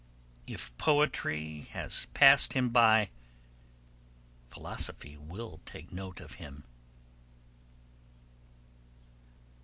If Poetry has passed him by, Philosophy will take note of him.